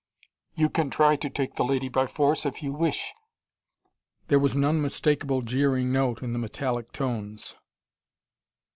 "You can try to take the lady by force if you wish." There was an unmistakable jeering note in the metallic tones.